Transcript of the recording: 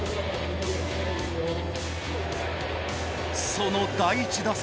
その第１打席。